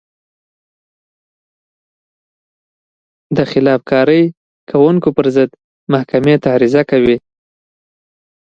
و د خلاف کارۍ کوونکو پر ضد محکمې ته عریضه کوي.